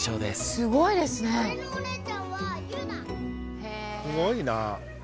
すごいなぁ。